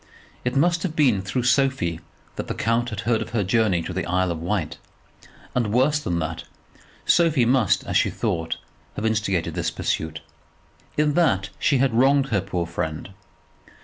It must have been through Sophie that the count had heard of her journey to the Isle of Wight; and, worse than that, Sophie must, as she thought, have instigated this pursuit. In that she wronged her poor friend.